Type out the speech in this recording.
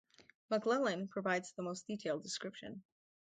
McClellan provides the most detailed description.